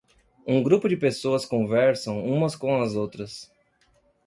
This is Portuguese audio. Um grupo de pessoas conversam umas com as outras.